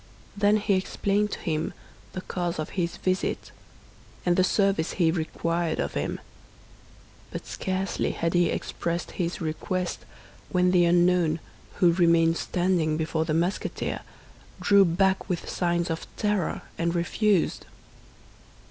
Then he explained to him the cause of his visit, and the service he required of him. But scarcely had he expressed his request when the unknown, who remained standing before the Musketeer, drew back with signs of terror, and refused.